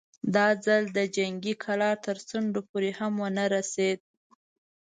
دا ځل د جنګي کلا تر څنډو پورې هم ونه رسېد.